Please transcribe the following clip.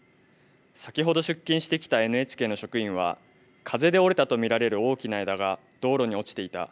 先ほど出勤してきたＮＨＫの職員は風で折れたと見られる大きな枝が道路に落ちていた。